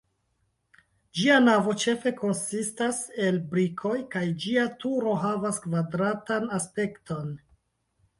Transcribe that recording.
Ĝia navo ĉefe konsistas el brikoj, kaj ĝia turo havas kvadratan aspekton.